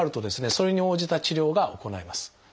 それに応じた治療が行えます。